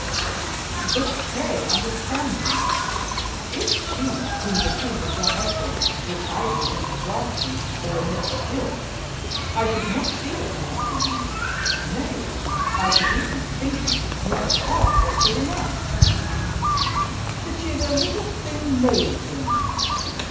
"But, pray understand me. If she whom the king had run off with was either a Miss Grafton or a Miss Stewart, I should not be of his opinion; nay, I should even think him not half wretched enough; but she is a little, thin, lame thing.